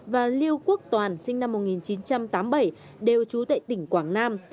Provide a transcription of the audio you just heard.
và liêu quốc toàn sinh năm một nghìn chín trăm tám mươi bảy đều trú tại tỉnh quảng nam